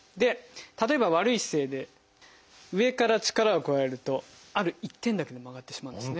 例えば悪い姿勢で上から力を加えるとある一点だけで曲がってしまうんですね。